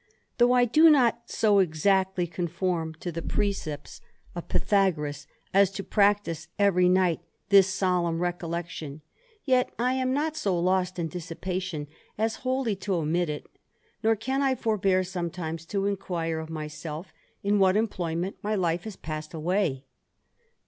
Though I do not so exactly conform to the precepts of 262 THE ADVENTURER. Pythagoras, as to practise every night this solemn recollec tion, yet I am not so lost in dissipation as wholly to omi it ; nor can I forbear sometimes to inquire of myself, ir what employment my life has passed away.